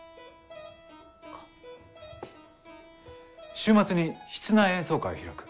週末に室内演奏会を開く。